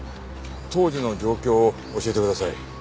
当時の状況を教えてください。